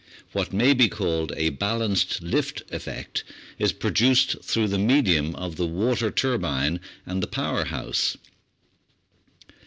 What may be called a balanced lift effect is produced through the medium of the water turbine and the power house.